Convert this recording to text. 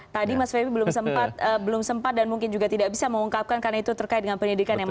tadi mas febri belum sempat dan mungkin juga tidak bisa mengungkapkan karena itu terkait dengan pendidikan ya mas